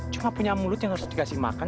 cuma punya mulut yang harus digasihkan